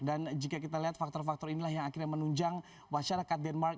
dan jika kita lihat faktor faktor inilah yang akhirnya menunjang masyarakat denmark